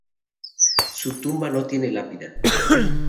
Su tumba no tiene lápida.